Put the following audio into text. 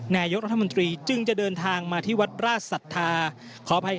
นายยกรัฐมนตรีจึงจะเดินทางมาที่วัตรราชสัตว์ที่น้ำไม้